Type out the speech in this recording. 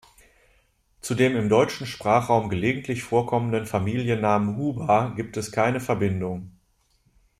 Zu dem im deutschen Sprachraum gelegentlich vorkommenden Familiennamen Huba gibt es keine Verbindung.